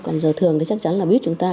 còn giờ thường thì chắc chắn là biết chúng ta